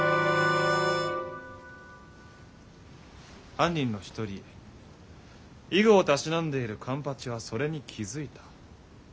犯人の一人囲碁をたしなんでいる勘八はそれに気付いた。